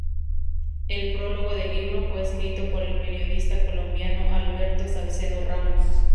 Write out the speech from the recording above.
El prólogo del libro fue escrito por el periodista colombiano Alberto Salcedo Ramos.